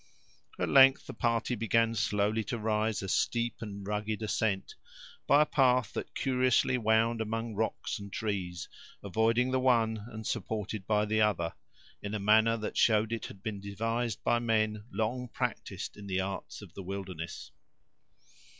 At length the party began slowly to rise a steep and rugged ascent, by a path that curiously wound among rocks and trees, avoiding the one and supported by the other, in a manner that showed it had been devised by men long practised in the arts of the wilderness.